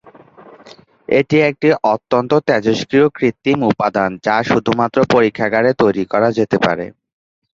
এটি একটি অত্যন্ত তেজস্ক্রিয় কৃত্রিম উপাদান যা শুধুমাত্র পরীক্ষাগারে তৈরি করা যেতে পারে।